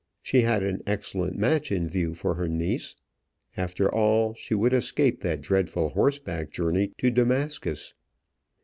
She had an excellent match in view for her niece and, after all, she would escape that dreadful horseback journey to Damascus.